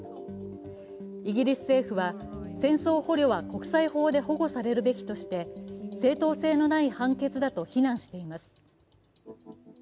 イギリス政府は戦争捕虜は国際法で保護されるべきとして正当性のない判決だと非難しています。